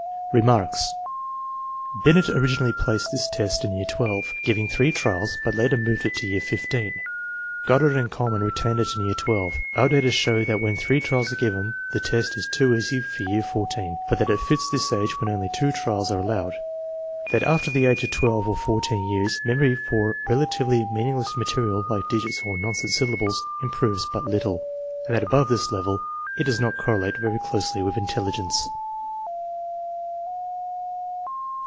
Remarks. Binet originally placed this test in year XII, giving three trials, but later moved it to year XV. Goddard and Kuhlmann retain it in year XII. Our data show that when three trials are given the test is too easy for year XIV, but that it fits this age when only two trials are allowed; that after the age of 1 or 14 years memory for relatively meaningless material, like digits or nonsense syllables, improves but little; and that above this level it does not correlate very closely with intelligence.